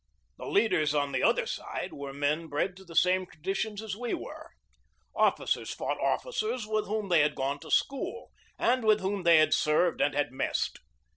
The leaders on the other side were men bred to the same traditions as we were. Officers fought BEGINNING OF THE CIVIL WAR 47 officers with whom they had gone to school, and with whom they had served and had messed.